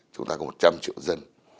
chúng ta có một trăm linh triệu dân